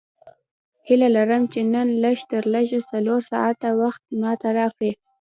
هیله لرم چې نن لږ تر لږه څلور ساعته وخت ماته راکړې.